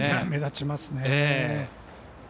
目立ちますね。